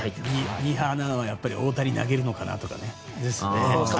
ミーハーなのは大谷投げるのかな？とかね。